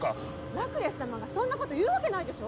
ラクレス様がそんなこと言うわけないでしょ。